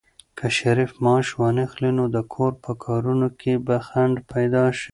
که شریف معاش وانخلي، نو د کور په کارونو کې به خنډ پيدا شي.